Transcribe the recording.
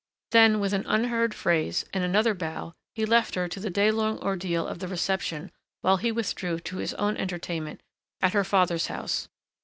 Then with an unheard phrase, and another bow, he left her to the day long ordeal of the reception while he withdrew to his own entertainment at her father's house.